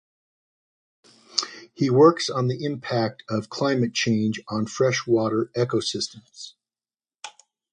He works on the impact of climate change on freshwater ecosystems.